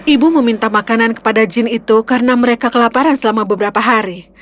ibu meminta makanan kepada jin itu karena mereka kelaparan selama beberapa hari